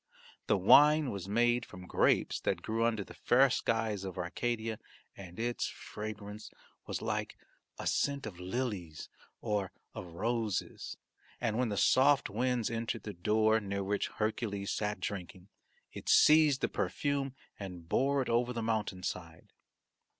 The wine was made from grapes that grew under the fair skies of Arcadia and its fragrance was like a scent of lilies or of roses, and when the soft winds entered the door, near which Hercules sat drinking, it seized the perfume and bore it over the mountain side.